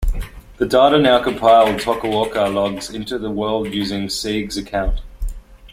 The data now compiled Tokuoka logs into The World using Sieg's account.